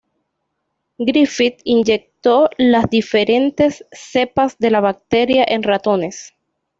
Griffith inyectó las diferentes cepas de la bacteria en ratones.